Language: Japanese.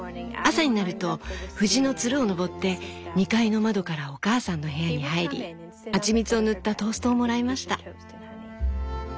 朝になると藤のつるを登って２階の窓からお母さんの部屋に入り蜂蜜を塗ったトーストをもらいました」。